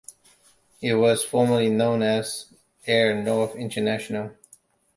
It was formerly known as Air North International.